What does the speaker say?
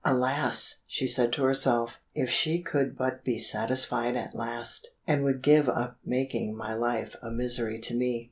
"Alas!" she said to herself, "if she could but be satisfied at last, and would give up making my life a misery to me."